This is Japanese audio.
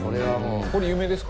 これ有名ですか？